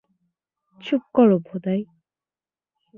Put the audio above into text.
চুপ করো, ভোদাই।